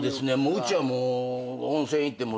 うちはもう温泉行っても。